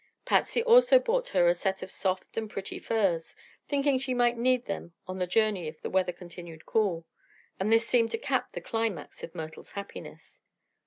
Patsy also bought her a set of soft and pretty furs, thinking she might need them on the journey if the weather continued cool, and this seemed to cap the climax of Myrtle's happiness.